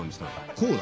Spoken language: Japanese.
こうだ。